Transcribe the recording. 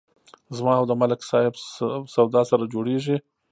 زما او د ملک صاحب سودا سره جوړیږي.